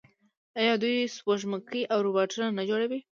آیا دوی سپوږمکۍ او روباټونه نه جوړوي؟